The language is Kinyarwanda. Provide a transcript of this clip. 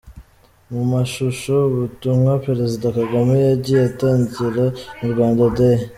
Mu mashusho: Ubutumwa Perezida Kagame yagiye atangira muri Rwanda Day.